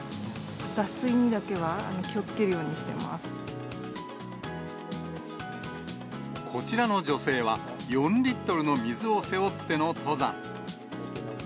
脱水にだけは気をつけるようにしこちらの女性は、４リットルの水を背負っての登山。